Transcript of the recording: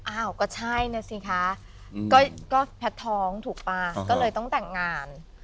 อ้าวก็ใช่นะสิคะก็แพทย์ท้องถูกป่ะก็เลยต้องแต่งงาน